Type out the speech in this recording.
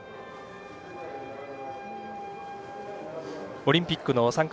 オリンピックの参加